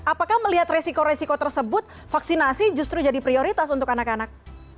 apakah melihat resiko resiko tersebut vaksinasi justru jadi prioritas untuk anak anak